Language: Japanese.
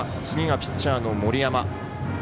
次がピッチャーの森山。